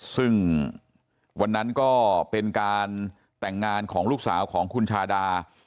ซึ่งวันนั้นก็เป็นการแต่งงานของลูกสาวของคุณชาดา